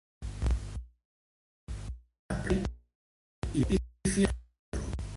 Era un empresari, inventor i filantrop.